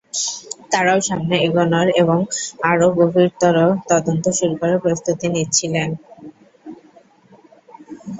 তারাও সামনে এগোনোর এবং আরও গভীরতর তদন্ত শুরু করার প্রস্তুতি নিচ্ছিলেন।